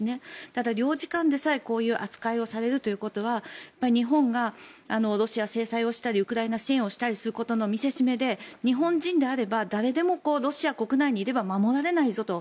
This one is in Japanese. ただ、領事館でさえこういう扱いをされるというのは日本がロシアに制裁をしたりウクライナ支援をしたりすることの見せしめで日本人であれば誰でもロシア国内にいれば守られないぞと。